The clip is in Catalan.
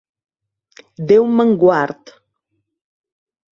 Déu me'n guard.